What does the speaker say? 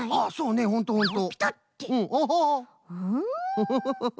フフフフフ。